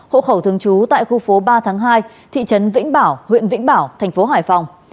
hộ khẩu thường trú tại khu phố ba tháng hai thị trấn vĩnh bảo huyện vĩnh bảo thành phố hải phòng